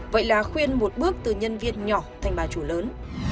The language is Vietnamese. vậy là khuyên một bước từ nhân viên nhỏ thành bà chủ lớn